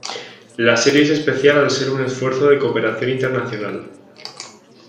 La serie es especial al ser un esfuerzo de cooperación internacional.